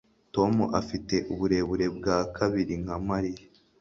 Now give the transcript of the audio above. Tom afite uburebure bwa kabiri nka Mariya